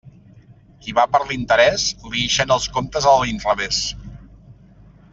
Qui va per l'interés, li ixen els comptes a l'inrevés.